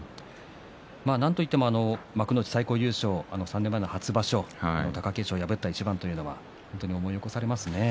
なんといっても３年前の初場所貴景勝を破った一番というのが思い起こされますね。